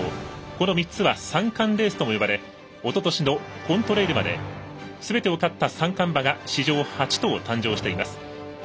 この３つは三冠レースとも呼ばれおととしのコントレイルまですべてを勝った三冠馬が史上８頭、誕生しています。